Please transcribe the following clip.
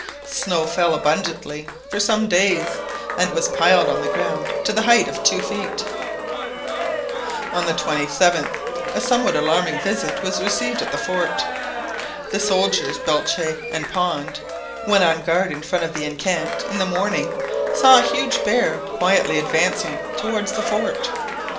Snow fell abundantly for some days, and was piled up on the ground to the height of two feet. On the 27th a somewhat alarming visit was received at the fort. The soldiers Belcher and Pond, when on guard in front of the enceinte in the morning, saw a huge bear quietly advancing towards the fort.